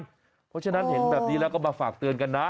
เพราะฉะนั้นเห็นแบบนี้แล้วก็มาฝากเตือนกันนะ